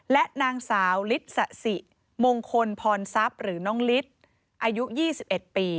และนางสาวลิสสะสิมงคลพรทรัพย์หรือน้องฤทธิ์อายุ๒๑ปี